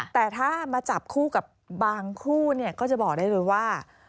แต่ถ้ามาจับคู่กับบางคู่เนี่ยก็จะบอกได้เลยว่า